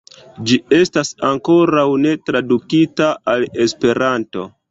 Ĝi estas ankoraŭ ne tradukita al Esperanto.